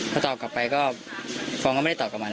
พอตอบกลับไปก็ผมก็ไม่ได้อ้อมตอบกลับมาป่ะ